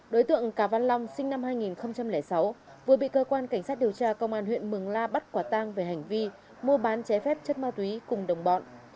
đối tượng cà văn long sinh năm hai nghìn sáu vừa bị cơ quan cảnh sát điều tra công an huyện mường la bắt quả tang về hành vi mua bán trái phép chất ma túy cùng đồng bọn